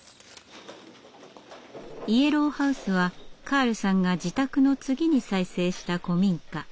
イエローハウスはカールさんが自宅の次に再生した古民家。